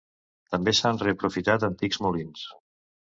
També s'han reaprofitat antics molins.